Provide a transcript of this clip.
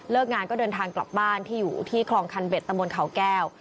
งานก็เดินทางกลับบ้านที่อยู่ที่คลองคันเบ็ดตะบนเขาแก้ว